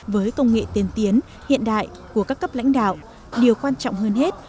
với công nghệ tiên tiến hiện đại của các cấp lãnh đạo điều quan trọng hơn hết